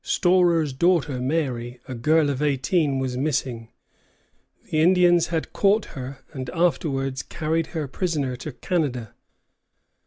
Storer's daughter Mary, a girl of eighteen, was missing. The Indians had caught her, and afterwards carried her prisoner to Canada.